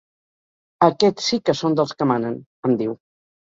Aquests sí que són dels que manen —em diu—.